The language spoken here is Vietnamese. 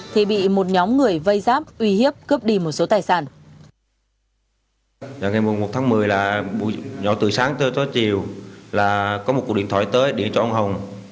thì bị một nhóm người vây giáp uy hiếp cướp đi một số tài sản